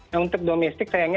nah untuk domestik sayangnya